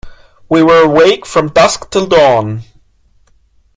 We were awake from dusk till dawn.